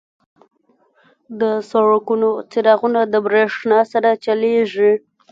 • د سړکونو څراغونه د برېښنا سره چلیږي.